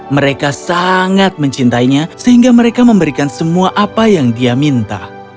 mereka sangat mencintainya sehingga mereka memberikan semua apa yang dia minta